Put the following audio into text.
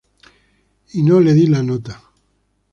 Y no le di la nota.